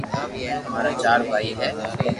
مارا چار ڀائي ھي